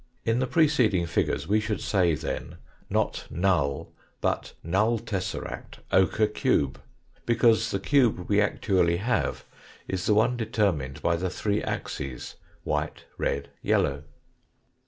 In the preceding figures we should say then, not null, but " null tesseract ochre cube," because the cube we actually have is the one determined by the three axes, white, red, yellow.